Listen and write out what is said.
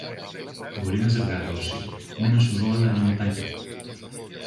Μπορεί να ζευγαρώσει με ένα σωρό άλλα γραμματάκια